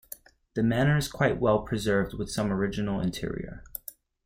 The manor is quite well preserved with some original interior.